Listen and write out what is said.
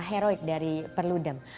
bapak heroik dari perludem